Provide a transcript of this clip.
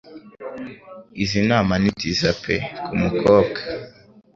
Izi nama ni nziza pe k'umukobwa